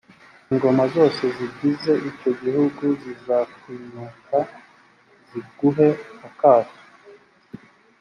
ingoma zose zigize icyo gihugu zizakwinuka, ziguhe akato.